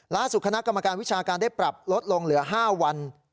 คณะกรรมการวิชาการได้ปรับลดลงเหลือ๕วัน